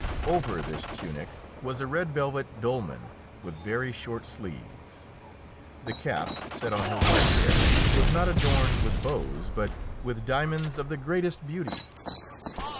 Over this tunic was a red velvet dolman with very short sleeves. The cap set on her white hair was not adorned with bows, but with diamonds of the greatest beauty.